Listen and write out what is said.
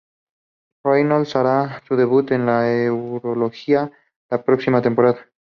Reynolds hará su debut en la Euroliga la próxima temporada.